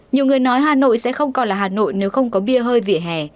nhiều người nói hà nội sẽ không còn là hà nội nếu không có bia hơi vỉa hè